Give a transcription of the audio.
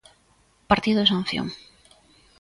Partido de sanción.